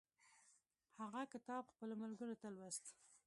هغه کتاب خپلو ملګرو ته لوست.